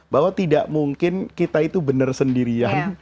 bahwa tidak mungkin kita itu benar sendirian